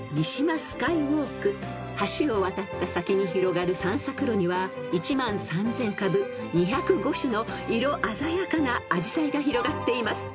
［橋を渡った先に広がる散策路には１万３，０００株２０５種の色鮮やかなアジサイが広がっています］